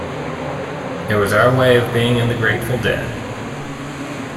It was our way of being in The Grateful Dead.